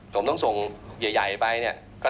ผมต้องส่งใหญ่ไปเนี่ย